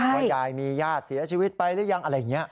ว่ายายมีญาติเสียชีวิตไปหรือยังอะไรอย่างนี้